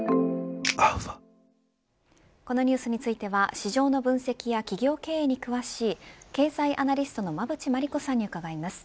このニュースについては市場の分析や企業経営に詳しい経済アナリストの馬渕磨理子さんに伺います。